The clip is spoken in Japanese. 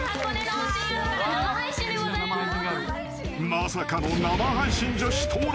［まさかの生配信女子到来］